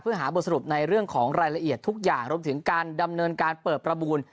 เพื่อหาบทสรุปในเรื่องของรายละเอียดทุกอย่างรวมถึงการดำเนินการเปิดประมูล